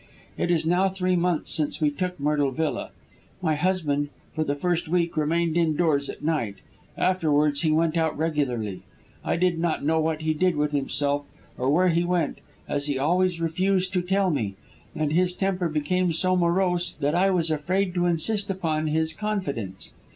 It is now three months since we took Myrtle Villa. My husband, for the first week, remained indoors at night; afterwards he went out regularly. I did not know what he did with himself, or where he went, as he always refused to tell me, and his temper became so morose that I was afraid to insist upon his confidence.